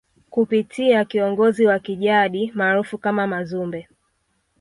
kupitia kiongozi wa kijadi maarufu kama Mazumbe